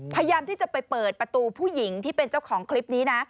พยายามที่จะไปเปิดประตูผู้หญิงที่เป็นเจ้าของคลิปนี้นะ